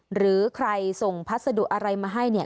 หรือใครส่งพัสดุอะไรมาให้เนี่ย